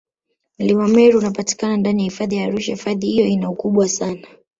Mlima Meru unapatikana ndani ya Hifadhi ya Arusha ifadhi hiyo ina ukubwa sana